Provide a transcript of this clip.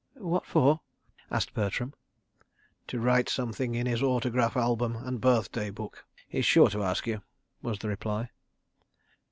"What for?" asked Bertram. "To write something in his autograph album and birthday book—he's sure to ask you to," was the reply.